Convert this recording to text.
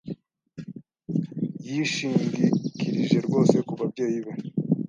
Yishingikirije rwose kubabyeyi be.